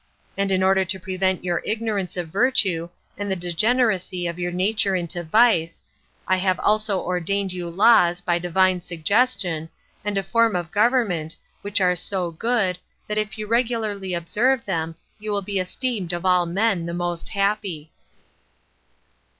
And in order to prevent your ignorance of virtue, and the degeneracy of your nature into vice, I have also ordained you laws, by Divine suggestion, and a form of government, which are so good, that if you regularly observe them, you will be esteemed of all men the most happy."